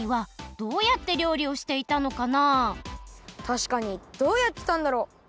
たしかにどうやってたんだろう？